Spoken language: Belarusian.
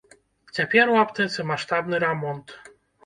Цяпер у аптэцы маштабны рамонт.